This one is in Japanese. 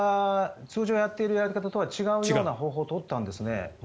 通常やっているやり方とは違うような方法を取ったんですね。